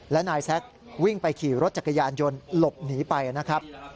และนายแซ็กวิ่งไปขี่รถจักรยานยนต์หลบหนีไปนะครับ